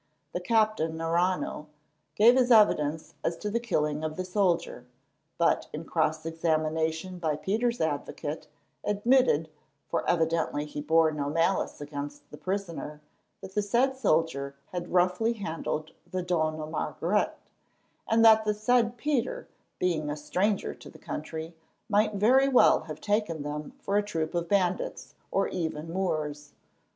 The Captain Arrano gave his evidence as to the killing of the soldier, but, in cross examination by Peter's advocate, admitted, for evidently he bore no malice against the prisoner, that the said soldier had roughly handled the Dona Margaret, and that the said Peter, being a stranger to the country, might very well have taken them for a troop of bandits or even Moors.